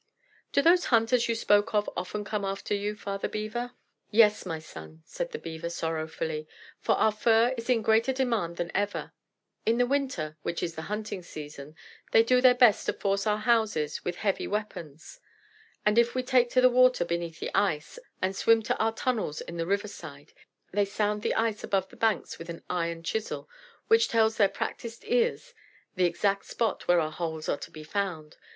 "Do those hunters you spoke of often come after you, Father Beaver?" "Yes, my son," said the Beaver sorrowfully, "for our fur is in greater demand than ever. In the winter, which is the 'hunting season,' they do their best to force our houses with heavy weapons, and if we take to the water beneath the ice, and swim to our tunnels in the river side, they sound the ice above the banks with an iron chisel, which tells their practised ears the exact spot where our holes are to be found.